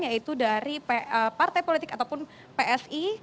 yaitu dari partai politik ataupun psi